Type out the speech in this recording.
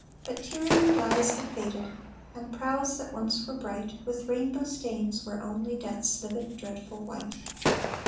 But Tyrian dyes have faded, And prows that once were bright With rainbow stains wear only Death's livid, dreadful white.